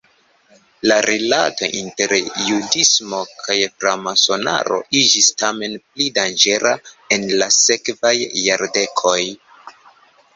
La rilato inter judismo kaj framasonaro iĝis tamen pli danĝera en la sekvaj jardekoj.